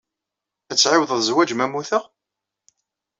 Ad tɛiwḍeḍ zwaj ma mmuteɣ?